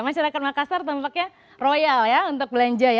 masyarakat makassar tampaknya royal untuk belanja